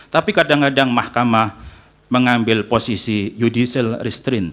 tapi kadang kadang mahkamah mengambil posisi judicial restraint